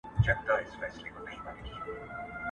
هغه روغتون چې درملنه کوي بوخت دی.